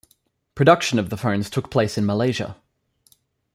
Production of the phones took place in Malaysia.